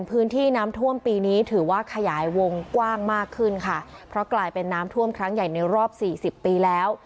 พื้นที่น้ำท่วมปีนี้ถือว่าขยายวงกว้างมากขึ้นค่ะเพราะกลายเป็นน้ำท่วมครั้งใหญ่ในรอบสี่สิบปีแล้ว